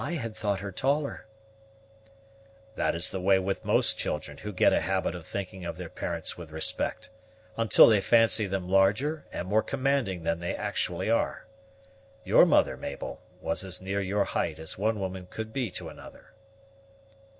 "I had thought her taller." "That is the way with most children who get a habit of thinking of their parents with respect, until they fancy them larger and more commanding than they actually are. Your mother, Mabel, was as near your height as one woman could be to another."